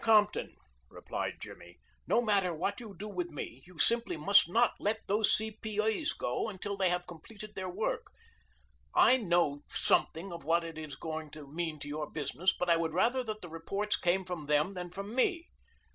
Compton," replied Jimmy, "no matter what you do with me, you simply must not let those C.P.A.'s go until they have completed their work. I know something of what it is going to mean to your business, but I would rather that the reports come from them than from me."